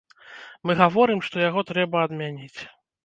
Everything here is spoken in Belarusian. Мы гаворым, што яго трэба адмяніць.